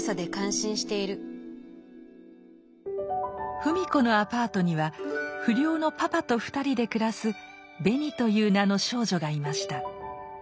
芙美子のアパートには不良のパパと２人で暮らすベニという名の少女がいました。